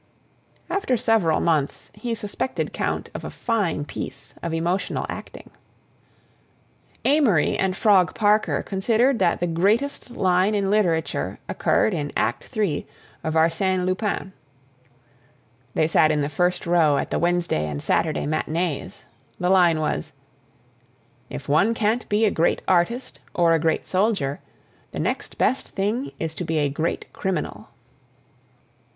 _" After several months he suspected Count of a fine piece of emotional acting. Amory and Frog Parker considered that the greatest line in literature occurred in Act III of "Arsene Lupin." They sat in the first row at the Wednesday and Saturday matinees. The line was: "If one can't be a great artist or a great soldier, the next best thing is to be a great criminal."